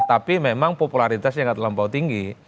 tapi memang popularitasnya nggak terlampau tinggi